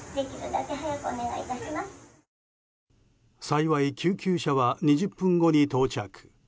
幸い、救急車は２０分後に到着。